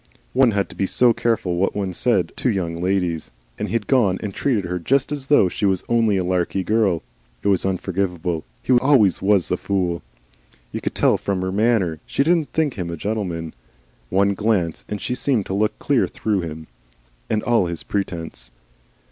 One had to be so careful what one said to Young Ladies, and he'd gone and treated her just as though she was only a Larky Girl. It was unforgivable. He always WAS a fool. You could tell from her manner she didn't think him a gentleman. One glance, and she seemed to look clear through him and all his presence.